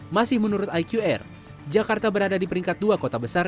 masih menurut iqr jakarta berada di peringkat dua kota besar